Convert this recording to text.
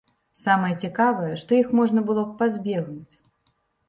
Самае цікавае, што іх можна было б пазбегнуць.